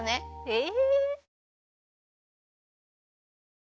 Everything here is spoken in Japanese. え。